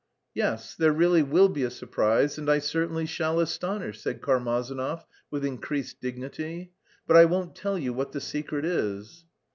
"Yes, there really will be a surprise and I certainly shall astonish..." said Karmazinov with increased dignity. "But I won't tell you what the secret is."